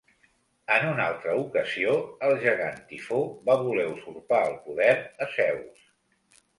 En una altra ocasió, el gegant Tifó va voler usurpar el poder a Zeus.